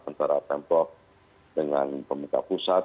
antara pemprov dengan pemerintah pusat